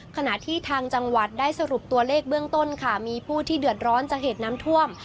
ขณะที่ทางจังหวัดได้สรุปตัวเลขเบื้องต้นค่ะมีผู้ที่เดือดร้อนจากเหตุน้ำท่วม